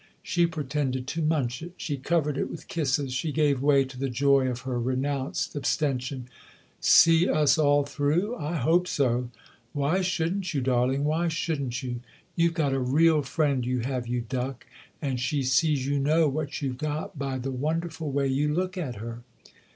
She pretended to munch it; she covered it with kisses ; she gave way to the joy of her renounced abstention. " See us all through ? I hope so ! 216 THE OTHER HOUSE Why shouldn't you, darling, why shouldn't you ? You've got a real friend, you have, you duck ; and she sees you know what you've got by the won derful way you look at her